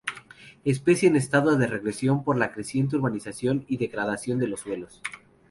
Especie en estado de regresión por la creciente urbanización y degradación de los suelos.